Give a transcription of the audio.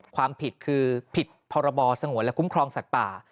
ความผิดคือผิดพรบสงวนและคุ้มครองสัตว์ป่า